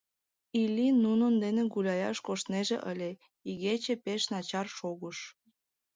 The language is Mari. Илли нунын дене гуляяш коштнеже ыле — игече пеш начар шогыш.